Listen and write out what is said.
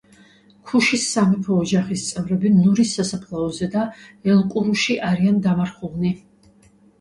ქუშის სამეფო ოჯახის წევრები ნურის სასაფლაოზე და ელ–კურუში არიან დამარხულნი.